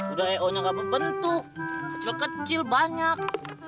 udah eo nya nggak berbentuk kecil kecil banyak